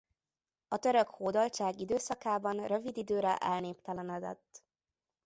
A török hódoltság időszakában rövid időre elnéptelenedett.